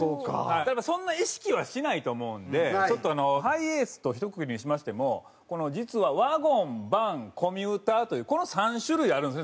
でもそんな意識はしないと思うんでちょっとハイエースとひとくくりにしましても実はワゴンバンコミューターというこの３種類あるんですね